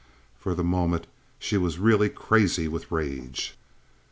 For the moment she was really crazy with rage.